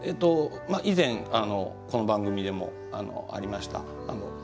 以前この番組でもありました面ですよね。